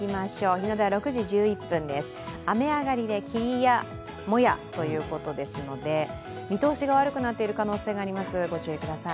日の出は６時１１分です、雨上がりで霧やもやということですので見通しが悪くなっている可能性があります、ご注意ください。